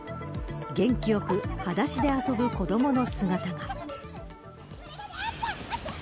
元気よくはだしで遊ぶ子どもの姿が。